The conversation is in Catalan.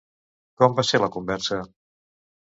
Com va ser la conversa?